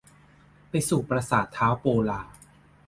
ไปสู่ปราสาทท้าวโปลา